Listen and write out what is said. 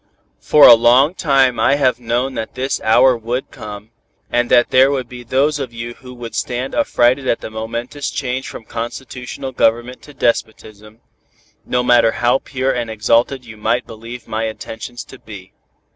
"For a long time I have known that this hour would come, and that there would be those of you who would stand affrighted at the momentous change from constitutional government to despotism, no matter how pure and exalted you might believe my intentions to be.